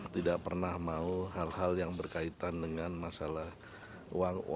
tidak pernah mau hal hal yang berkaitan dengan masalah uang uang yang berkaitan dengan masalah